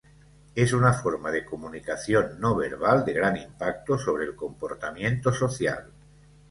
Es una forma de comunicación no verbal de gran impacto sobre el comportamiento social.